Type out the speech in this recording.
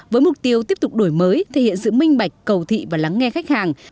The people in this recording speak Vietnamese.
với mục tiêu tiếp tục đổi mới thể hiện sự minh bạch cầu thị và lắng nghe khách hàng